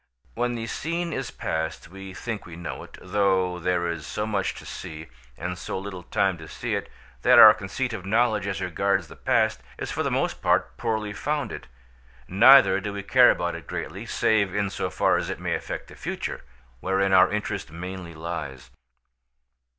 When the scene is past we think we know it, though there is so much to see, and so little time to see it, that our conceit of knowledge as regards the past is for the most part poorly founded; neither do we care about it greatly, save in so far as it may affect the future, wherein our interest mainly lies.